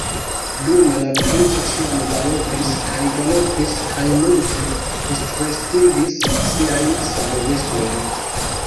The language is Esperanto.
Dume la princo ĉiam galopis kaj galopis kaj multe postrestigis siajn servistojn.